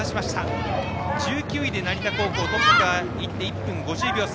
１９位で成田高校トップとは１分５０秒差。